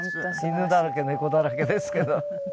犬だらけ猫だらけですけど。